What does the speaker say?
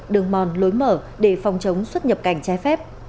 đường mòn lối mở để phòng chống xuất nhập cảnh trái phép